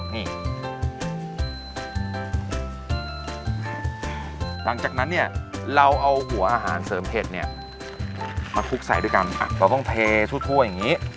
หลังจากนั้นเนี่ยเราเอาหัวอาหารเสริมเผ็ดเนี่ยมาคลุกใส่ด้วยกันเราต้องเททั่วอย่างนี้